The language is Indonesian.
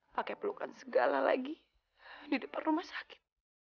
pakai pelukan segala lagi di depan rumah sakit